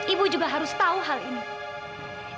ibu juga harus tahu hal ini